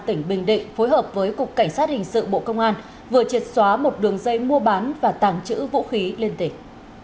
tỉnh bình định phối hợp với cục cảnh sát hình sự bộ công an vừa triệt xóa một đường dây mua bán và tàng trữ vũ khí liên tịch